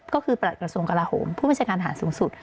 ก็คือประกันสมกระโหมผู้มัจจักรอาหารสูงสุด